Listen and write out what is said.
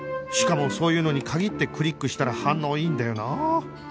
しかもそういうのに限ってクリックしたら反応いいんだよなあ